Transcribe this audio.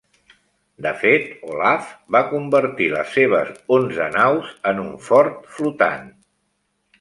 De fet, Olaf va convertir les seves onze naus en un fort flotant.